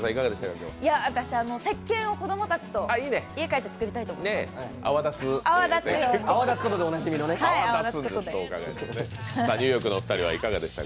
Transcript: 私、せっけんを子どもたちと家帰って作りたいと思います。